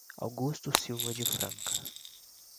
Augusto Silva de Franca